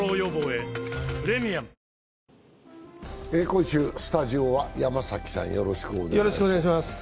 今週、スタジオは山崎さん、よろしくお願いします。